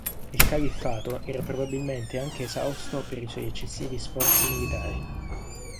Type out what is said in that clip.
Il califfato era probabilmente anche esausto per i suoi eccessivi sforzi militari.